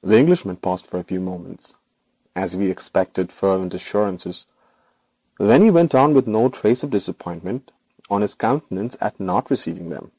The Englishman paused for a few moments as if he expected fervent assurances; then went on with no trace of disappointment on his countenance at not receiving them.